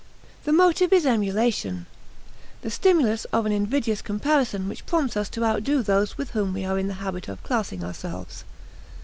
The motive is emulation the stimulus of an invidious comparison which prompts us to outdo those with whom we are in the habit of classing ourselves.